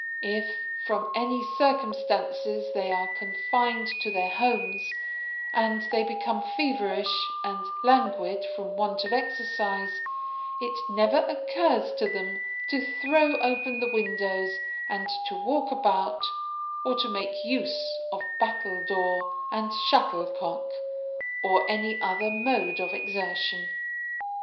If, from any circumstances, they are confined to their homes, and they become feverish and languid from want of exercise, it never occurs to them to throw open the windows and to walk about, or to make use of battledore and shuttlecock, or any other mode of exertion.